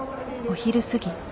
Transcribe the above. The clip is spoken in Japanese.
お昼過ぎ。